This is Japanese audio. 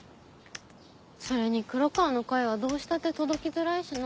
それに黒川の声はどうしたって届きづらいしな。